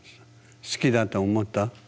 好きだと思った？